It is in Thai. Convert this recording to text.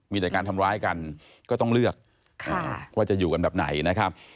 มีแต่การทำร้ายกันก็ต้องเลือกว่าจะอยู่กันแบบไหนนะครับ